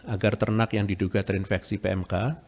agar ternak yang diduga terinfeksi pmk